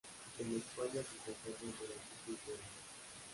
En España se conservan durante cinco años.